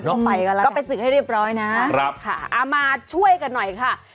ก็ไปสืบให้เรียบร้อยนะอามาช่วยกันหน่อยค่ะ